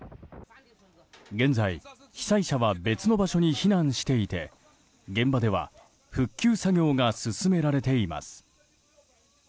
現在、被災者は別の場所に避難していて現場では復旧作業が進められています。